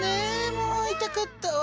もう会いたかったわ。